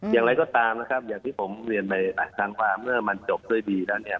อย่างไรก็ตามนะครับอย่างที่ผมเรียนไปหลายครั้งว่าเมื่อมันจบด้วยดีแล้วเนี่ย